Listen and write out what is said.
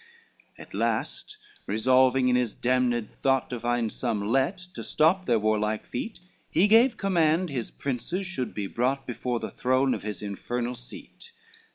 II At last resolving in his damned thought To find some let to stop their warlike feat, He gave command his princes should be brought Before the throne of his infernal seat.